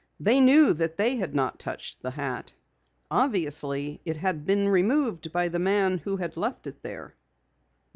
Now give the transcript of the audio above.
They knew that they had not touched the hat. Obviously it had been removed by the man who had left it there.